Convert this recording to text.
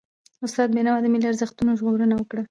استاد بينوا د ملي ارزښتونو ژغورنه وکړه.